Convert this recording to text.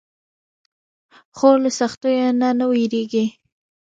خور له سختیو نه نه وېریږي.